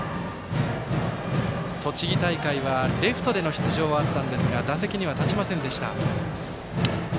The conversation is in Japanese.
栃木大会はレフトでの出場はあったんですが打席には立ちませんでした。